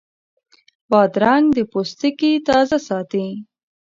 بادرنګ د پوستکي تازه ساتي.